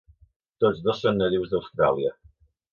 Tots dos són nadius d'Austràlia.